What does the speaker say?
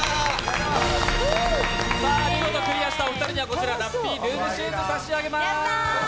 見事クリアしたお二人にはラッピールームシューズ差し上げます。